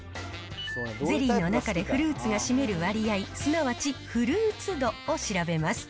ゼリーの中でフルーツが占める割合、すなわちフルーツ度を調べます。